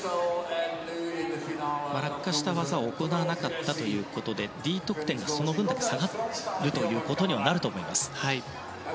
落下した技を行わなかったということでＤ得点がその分だけ下がるということにはなると思います。